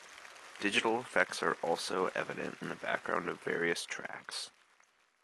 Digital effects are also evident in the background of various tracks.